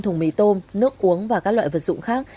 thùng mì tôm nước uống và các loại vật dụng khác